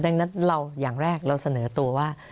ดังนั้นเราอย่างแรกเราเสนอตัวว่า